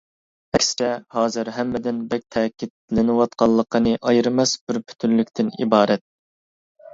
ئەكسىچە، ھازىر ھەممىدىن بەك تەكىتلىنىۋاتقانلىقىنى ئايرىماس بىر پۈتۈنلۈكتىن ئىبارەت.